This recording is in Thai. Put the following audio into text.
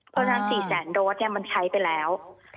เพราะฉะนั้น๔แสนโดสมันใช้ไปแล้ว